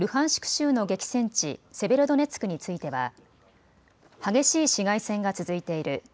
州の激戦地、セベロドネツクについては激しい市街戦が続いている。